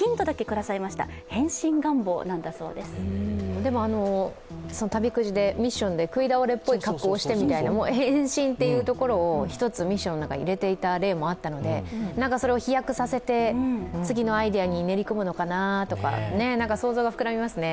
でも、旅くじでミッションでくいだおれっぽい格好をしてという変身というところをミッションの中に入れている例もあったのでそれを飛躍させて、次のアイデアに練り込むのかなとか、想像が膨らみますね。